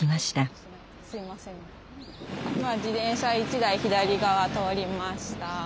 今自転車１台左側通りました。